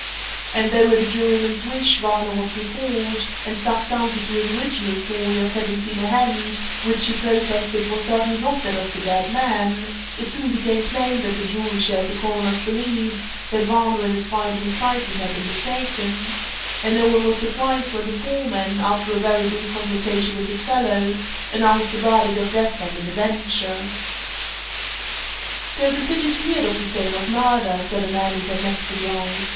And though, at a juryman's wish, Varner was recalled, and stuck stoutly to his original story of having seen a hand which, he protested, was certainly not that of the dead man, it soon became plain that the jury shared the Coroner's belief that Varner in his fright and excitement had been mistaken, and no one was surprised when the foreman, after a very brief consultation with his fellows, announced a verdict of death by misadventure. "So the city's cleared of the stain of murder!" said a man who sat next to Bryce.